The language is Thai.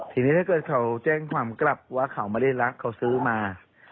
ทีนี้ถ้าเกิดเขาแจ้งความกลับว่าเขาไม่ได้รักเขาซื้อมา